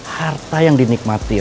harta yang dinikmati